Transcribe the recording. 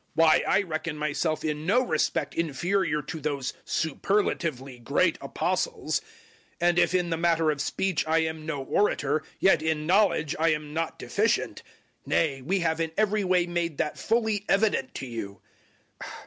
011:005 Why, I reckon myself in no respect inferior to those superlatively great Apostles. 011:006 And if in the matter of speech I am no orator, yet in knowledge I am not deficient. Nay, we have in every way made that fully evident to you.